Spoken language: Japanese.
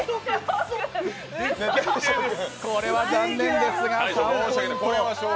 これは残念ですが３ポイント。